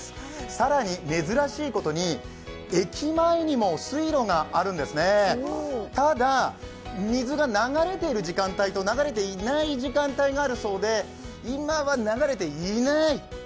更に珍しいことに駅前にも水路があるんですねただ、水が流れている時間帯と流れていない時間帯があるそうで今は流れていない。